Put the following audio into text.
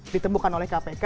ditemukan oleh kpk